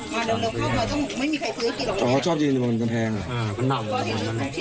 มันก็ยืนอยู่ข้างบนตรงนี้อ๋อชอบยืนอยู่บนกำแพงอ่า